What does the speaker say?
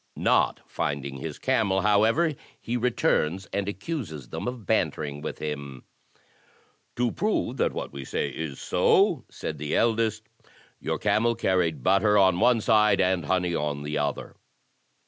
Not finding his camel, however, he returns and accuses them of bantering with him. " To prove that what we say is so," said the eldest, "your camel 88 THE TECHNIQUE OF THE MYSTERY STORY carried butter on one side and honey on the other."